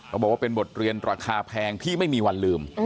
บอกว่าเป็นบทเรียนราคาแพงที่ไม่มีวันลืม